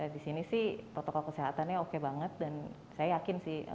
di sini sih protokol kesehatannya oke banget dan saya yakin sih